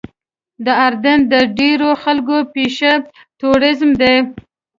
د اردن د ډېرو خلکو پیشه ټوریزم ده.